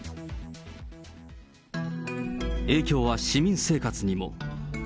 影響は市民生活にも。